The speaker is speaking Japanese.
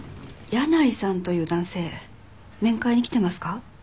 箭内さんという男性面会に来てますか？